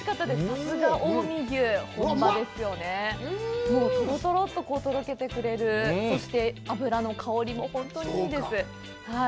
さすが近江牛、とろとろっととろけてくれる、そして、脂の香りも本当にいいんです。